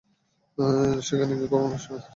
সেখানে কেউ কখনো আসে না।